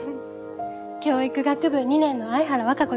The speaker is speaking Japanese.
教育学部２年の相原和歌子です。